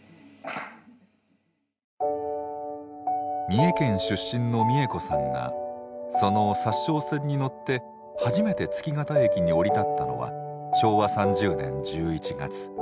三重県出身の三重子さんがその札沼線に乗って初めて月形駅に降り立ったのは昭和３０年１１月。